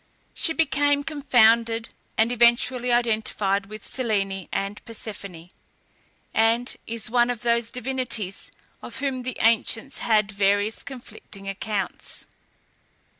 She became confounded, and eventually identified with Selene and Persephone, and is one of those divinities of whom the ancients had various conflicting accounts.